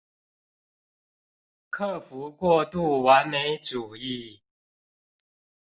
克服過度完美主義